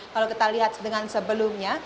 kalau kita lihat dengan sebelumnya